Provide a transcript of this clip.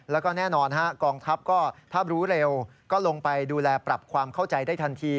แล้วก็แน่นอนกองทัพก็ถ้ารู้เร็วก็ลงไปดูแลปรับความเข้าใจได้ทันที